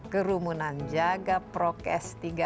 kerumunan jaga prokes